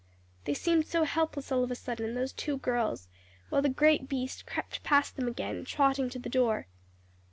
"They seemed so helpless all of a sudden, those two girls, while the great beast crept past them again, trotting to the door.